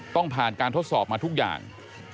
ต้องผ่านการทดสอบมาทุกอย่าง